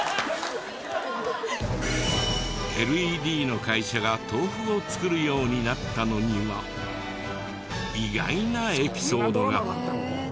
ＬＥＤの会社が豆腐を作るようになったのには意外なエピソードが。